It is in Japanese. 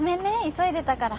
急いでたから。